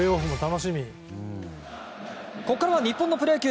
ここからは日本のプロ野球。